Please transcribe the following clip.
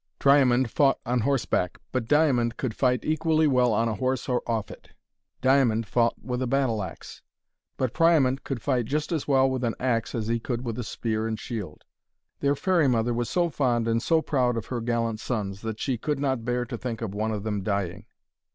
Triamond fought on horseback. But Diamond could fight equally well on a horse or off it. Triamond fought with a spear and shield. Diamond fought with a battle axe. But Priamond could fight just as well with an axe as he could with a spear and shield. Their fairy mother was so fond and so proud of her gallant sons, that she could not bear to think of one of them dying.